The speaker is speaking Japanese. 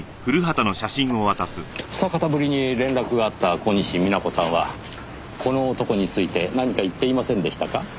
久方ぶりに連絡があった小西皆子さんはこの男について何か言っていませんでしたか？